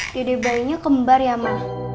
dede bayinya kembar ya mas